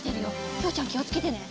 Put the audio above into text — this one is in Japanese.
きほちゃんきをつけてね。